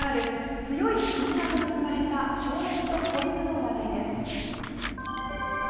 強い絆で結ばれた少年と子犬の話題です。